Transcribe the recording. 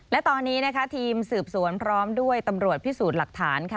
และตอนนี้นะคะทีมสืบสวนพร้อมด้วยตำรวจพิสูจน์หลักฐานค่ะ